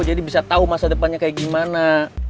jadi bisa tau masa depannya kayak gimana